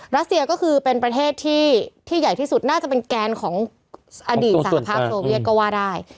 รัสเซียก็คือเป็นประเทศที่ใหญ่ที่สุดน่าจะเป็นแกนของอดีตสหภาพโซเวียตก็ว่าได้